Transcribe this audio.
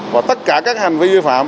và tất cả các hành vi vi phạm